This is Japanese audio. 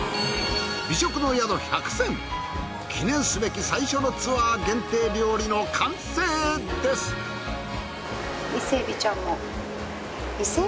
美食の宿１００選記念すべき最初のツアー限定料理の完成です。